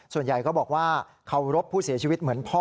ส่วนใหญ่ก็บอกว่าเคารพผู้เสียชีวิตเหมือนพ่อ